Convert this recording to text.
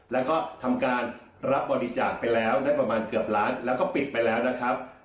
แล้วก็ทำการรับบริจาคไปแล้วได้ประมาณเกือบล้านแล้วก็ปิดไปแล้วนะครับ